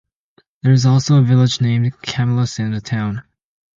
There is also a village named Camillus in the town.